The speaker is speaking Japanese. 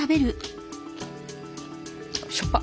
しょっぱ！